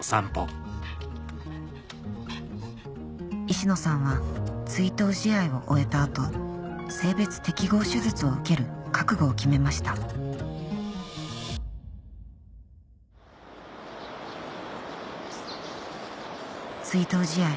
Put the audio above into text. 石野さんは追悼試合を終えた後性別適合手術を受ける覚悟を決めました追悼試合